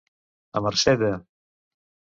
A mercè de.